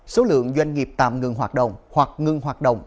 số lượng doanh nghiệp tạm ngừng hoạt động hoặc ngưng hoạt động